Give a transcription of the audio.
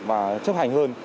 và chấp hành hơn